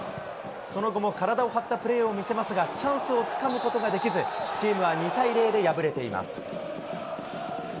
その後も体を張ったプレーを見せますが、チャンスをつかむことができず、チームは２対０で破れています。